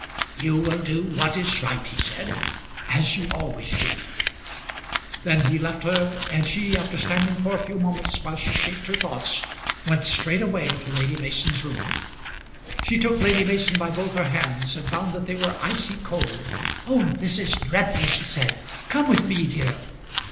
"You will do what is right," he said "as you always do." Then he left her; and she, after standing for a few moments while she shaped her thoughts, went straight away to Lady Mason's room. She took Lady Mason by both her hands and found that they were icy cold. "Oh, this is dreadful," she said. "Come with me, dear."